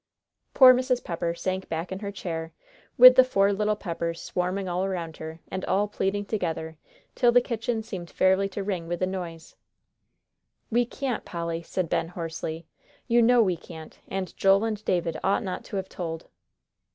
Poor Mrs. Pepper sank back in her chair, with the four little Peppers swarming all around her, and all pleading together, till the kitchen seemed fairly to ring with the noise. "We can't, Polly," said Ben, hoarsely. "You know we can't. And Joel and David ought not to have told."